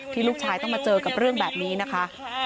ลูกชายต้องมาเจอกับเรื่องแบบนี้นะคะ